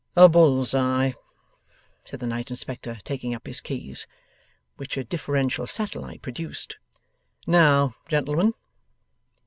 'A bull's eye,' said the Night Inspector, taking up his keys. Which a deferential satellite produced. 'Now, gentlemen.